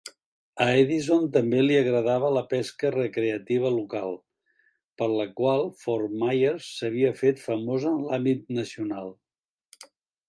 A Edison també li agradava la pesca recreativa local, per la qual Fort Myers s'havia fet famosa en l'àmbit nacional.